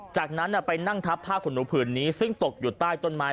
จากนั้นไปนั่งทับผ้าขนหนูผืนนี้ซึ่งตกอยู่ใต้ต้นไม้